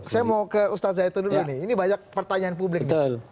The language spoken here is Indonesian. saya mau ke ustaz zaitun dulu ini banyak pertanyaan publik